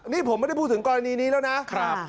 นี่ผมไม่ได้พูดถึงกรณีนี้แล้วนะ